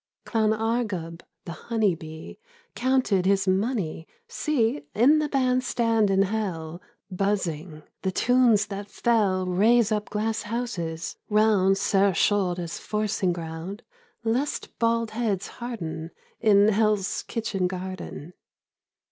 'LOWN ARGHEB the honey bee 3 c Counted his money, " See In the band stand in Hell, Buzzing, the tunes that fell Raise up glass houses, round Serres chaudes as forcing ground Lest bald heads harden In Hell's kitchen garden.